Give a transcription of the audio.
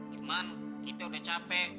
cuman kita udah capek ya fit